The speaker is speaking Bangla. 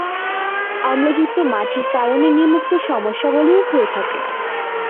অম্লযুক্ত মাটির কারণে নিম্নোক্ত সমস্যাবলীও হয়ে থাকে।